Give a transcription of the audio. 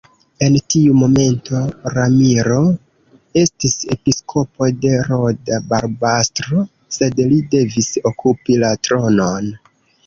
En tiu momento Ramiro estis episkopo de Roda-Barbastro, sed li devis okupi la tronon.